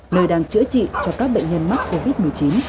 nơi đang chữa trị cho các bệnh nhân mắc covid một mươi chín